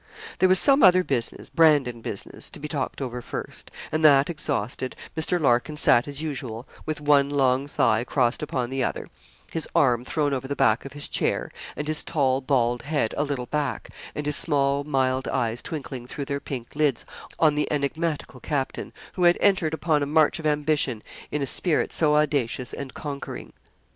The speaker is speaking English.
There was some other business Brandon business to be talked over first; and that exhausted, Mr. Larkin sat as usual, with one long thigh crossed upon the other his arm thrown over the back of his chair, and his tall, bald head a little back, and his small mild eyes twinkling through their pink lids on the enigmatical captain, who had entered upon the march of ambition in a spirit so audacious and conquering.